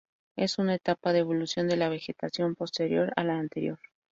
Es una etapa de evolución de la vegetación posterior a la anterior.